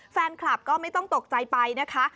แฟนคลับก็ไม่ต้องตกใจไปนะคะ